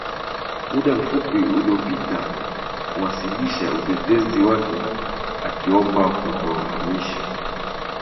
muda mfupi uliopita kuwasilisha utetezi wake akiomba kutohamisha